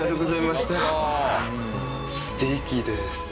すてきです。